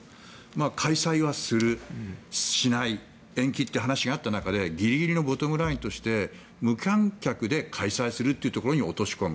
開催はする、しない延期って話があった中でギリギリのボトムラインとして無観客で開催するところに落とし込む。